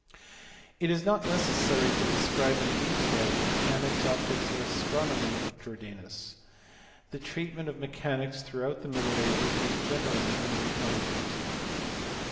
It is not necessary to describe in detail the mechanics, optics, or astronomy of Jordanus. The treatment of mechanics throughout the middle ages was generally unintelligent.